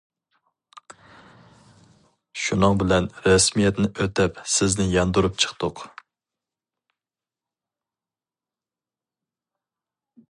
شۇنىڭ بىلەن رەسمىيەتنى ئۆتەپ سىزنى ياندۇرۇپ چىقتۇق.